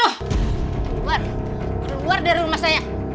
wah keluar dari rumah saya